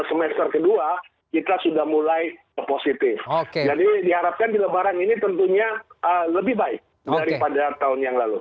lebih baik daripada tahun yang lalu